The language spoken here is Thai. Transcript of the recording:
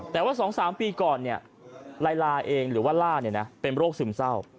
แต่ว่า๒๓ปีก่อนเนี่ยลายลาเองหรือว่าล่าเนี่ยนะเป็นโรคซึมเศร้า